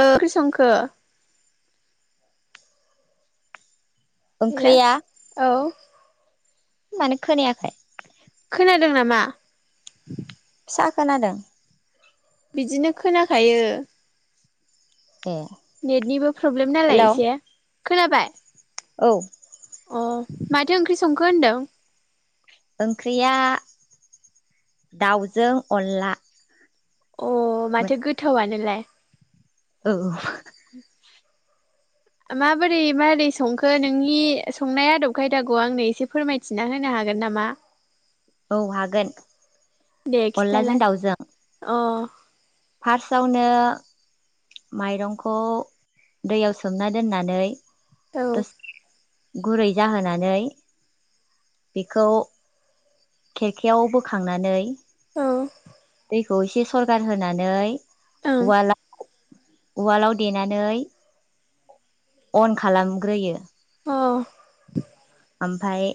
ओख्रिसंखो बिला औ माने खोनायाखाय खोनादों नामा फिससा खोनादों बिदिनो खोनाखायो ए नेटनिबो प्रब्लेम नालाय हेलौ एसे खोनाबाय औ अ माथो ओंख्रि संखो होनदों ओंख्रिया दाउजों अनला अ माथो गोथावआनोलाय औ माबोरै माबोरै संखो नोंनि संनाय आदब खायदाखौ आंनो एसे फोरमायथिना होनो हागोन नामा औ हागोन दे अनलाजों खिथालाय दाउजों अ औ फार्स्टआवनो माइरंखौ दैयाव सोमना दोननानै दस गुरै जाहोनानै बेखौ खेरखायाव बोखांनानै औ दैखौ एसे सरगार होनानै अ उवालाव उवालाव देनानै अन खालामग्रोयो अ आमफाय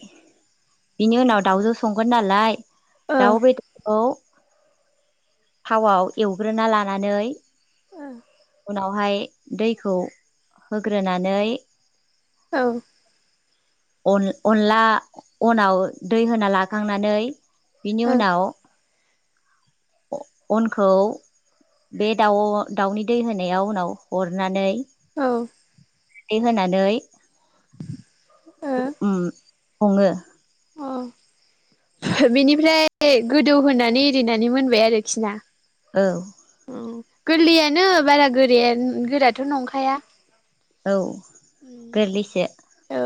बिनि उनाव दावजो संगोन नालाय औ दाउ बेदरखौ थावआव एवग्रोना लानानै ओ आवहाय दैखौ होग्रोनानै औ अन अनला अनाव दै होना लाखांनानै बिनि औ ओ अ उनाव अनखौ बे दाउ आव दाउनि दै होनायाव उनाव हरनानै औ। दै होनानै उम सङो। अ बेनिफ्राय गोदौहोनानै एरिनानै मोनबाय आरोखि ना। औ। औ गोरलैयानो बारा गोराया गोराथ' नंखाया औ। गोरलैसो। औ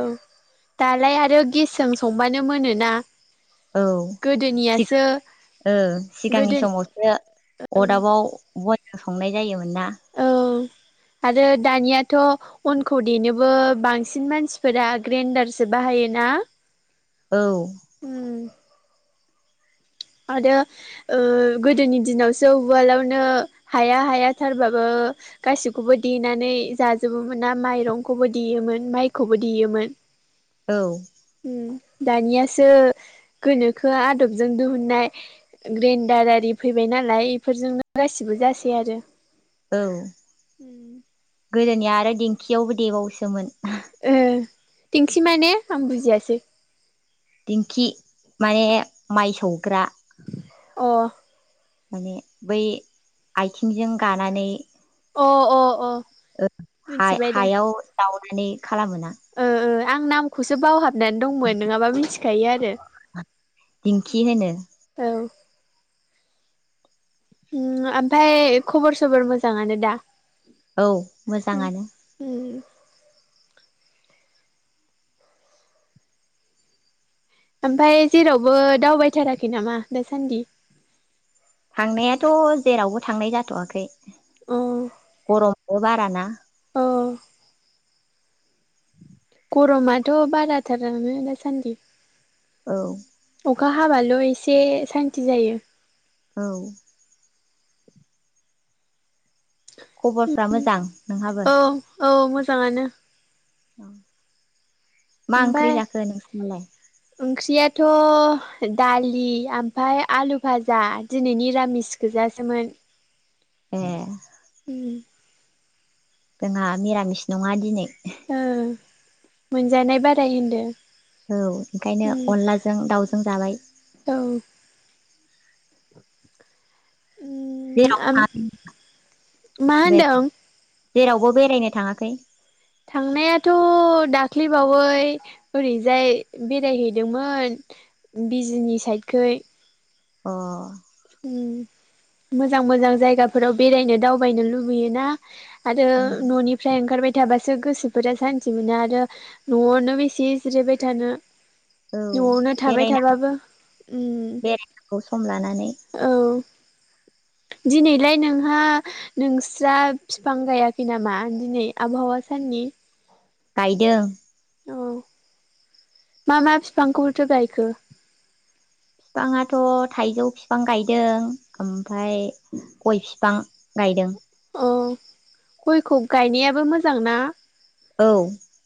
दालाय आरो गेसजों संबानो मोनो ना। औ थिग ओ सिगांनि गोदो समावसो अदाबाव बनजों संनाय जायोमोन ना। औ आरो दानियाथ' अनखौ देनोबो बांसिन मानसिफोरा ग्रेनडारसो बाहायो ना। औ उम। आरो ओ गोदोनि दिनावसो उवालावनो हाया हाया थारबाबो गासिखौबो देनानै जाजोबोमोना माइरंखौबो देयोमोन माइखौबो देयोमोन। औ उम। दानियासो गोनोखो आदबजों दोहोन नाय ग्रेन्डार आरि फैबाय नालाय इफोरजोंनो गासिबो जासै आरो। औ उम। गोदोनिया आरो दिेंखियावबो देबावोसोमोन। ए दिंखि माने आं बुजियासै। दिंखि माने माइ सौग्रा। अ। माने बै आथिंजों गानानै अ अ अ। ओ मिथिबाय दे हा-हायाव द माने ओ ओ आं नामखौसो बावहाब होननानै दंमोन नङाबा मिथिखायो आरो। दिंखि होनो औ। ओम आमफ्राय खबर सबर मोजाङानो दा? औ मोजाङानो। आमफाय जेरावबो दावबायथाराखै नामा दासान्दि? थांनायाथ' जेरावबो थांनाय जाथ'वाखै। अ गरम बन बाराना औ गरमाथ' बाराथारानो दासान्दि औ अखा हाबाल' एसे सान्ति जायो औ खबरफ्रा मोजां नोंहाबो? जांङानो औ मा ओंख्रि ओमफाय जाखो नोंसिनालाय? थ' दालि आमफाय आलु भाजा दिनै निरामिस गोजासोमोन। ए उम जोंहा मिरामिस नङा दिनै ओ मोनजानाय बाराय होनदो औ ओंखायनो उम अनलाजों दाउजों जाबाय औ उम आम मा [inaudible] होनदों जेरावबो बेरायनो थाङाखै? थांनायाथ' दाख्लैबावै ओरैजाय बेरायहैदोंमोन बिजनि साइदखै अ उम मोजां मोजां जायगाफोराव बेरायनो दावबायनो लुबैयो ना आरो उम न'निफ्राय ओंखारबाय थाबासो गोसोफोरा सान्थि मोनो आरो न'आवनो बेसे जिरायबाय थानो। औ न'आवनो थाबाय बेरायना थाबाबो उम बेरायनांगौ सम लानानै [unintelligible] दिनैलाय नोंहा नोंस्रा फिफां गायाखै नामा? दिनै आबहावा साननि। गायदों। औ मा मा बिफांखौथो गायखो? फिफाङाथ' थाइजौ फिफां गायदों ओमफाय गय फिफां गायदों अ गयखौ गायनायाबो मोजां ना? औ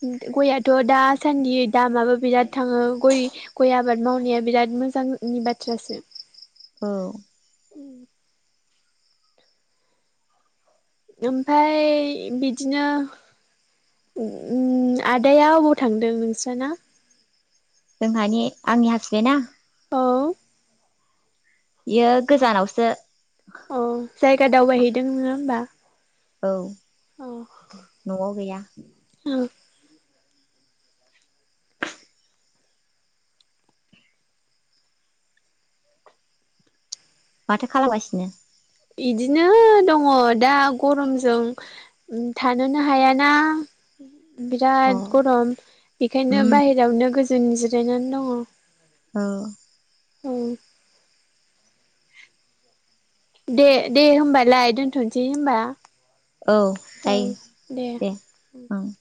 उम द गया [unintelligible] थ' दासान्दि दामाबो बिराद थाङो गय गय आबाद मावनाया बिराद मोजांनि बाथ्रासो। औ। ओमफ्राय बिदिनो आदाया अबाव थांदों नोंस्राना? जोंहानि आंनि हासबेन्डा? औ बियो गोजानावसो। अ जायगा दावबायहैदों नोङा होमबा? औ। अ न'आव गैया। ओ माथो खालामगासिनो? इदिनो दङ दा गरमजों थानोनो हायाना। अ बिराद गरम बेखायनो उम बायेरावनो गोजो जों जिरायनानै दङ। औ। औ। दे दे होमबालाय दोनथ'नोसै होनबा। औ जायो दे ओं